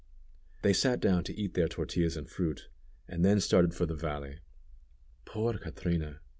They sat down to eat their tortillas and fruit, and then started for the valley. Poor Catrina!